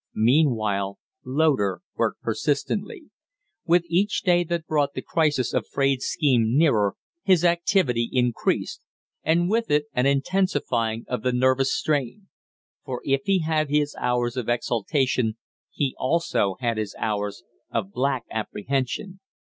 Meanwhile Loder worked persistently. With each day that brought the crisis of Fraide's scheme nearer, his activity increased and with it an intensifying of the nervous strain. For if he had his hours of exaltation, he also had his hours of black apprehension.